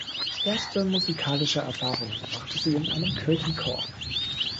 Erste musikalische Erfahrungen machte sie in einem Kirchenchor.